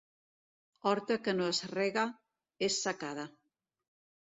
Horta que no es rega... és secada.